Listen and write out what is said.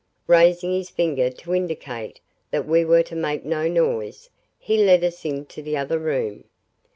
Raising his finger to indicate that we were to make no noise, he led us into the other room.